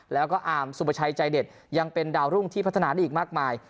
แล้วก็อาร์มสุประชัยใจเด็ดยังเป็นดาวรุ่งที่พัฒนาได้อีกมากมาย